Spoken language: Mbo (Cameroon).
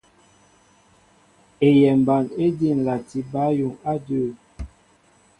Eyɛmba éjí ǹlati bǎyuŋ á adʉ̂.